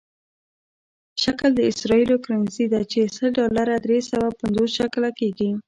شکل د اسرائیلو کرنسي ده چې سل ډالره درې سوه پنځوس شکله کېږي.